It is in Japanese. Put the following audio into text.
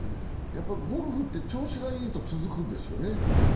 やっぱりゴルフって調子がいいと続くんですよね。